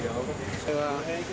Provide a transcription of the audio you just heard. dan nantuk kepada penyelenggara lain